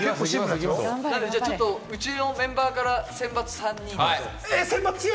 うちのメンバーから選抜３名。